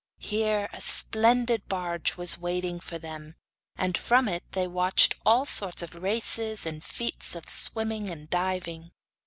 Here a splendid barge was waiting for them, and from it they watched all sorts of races and feats of swimming and diving.